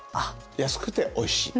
安くておいしい。